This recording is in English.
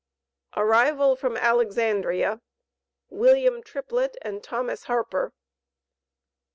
ARRIVAL FROM ALEXANDRIA. WILLIAM TRIPLETT AND THOMAS HARPER.